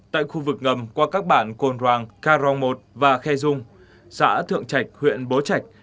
tại khu vực ngầm qua các bản cồn hoàng ca rong một và khe dung xã thượng trạch huyện bố trạch